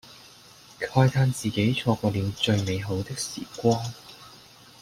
慨嘆自己錯過了最美好的時光